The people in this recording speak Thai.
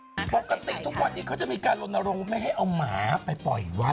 ปกติทุกวันนี้เขาจะมีการลนรงค์ไม่ให้เอาหมาไปปล่อยวัด